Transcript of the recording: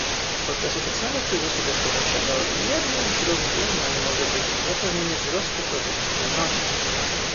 Podczas obecnego kryzysu gospodarczego jednym z rozwiązań może być zapewnienie wzrostu produkcji żywności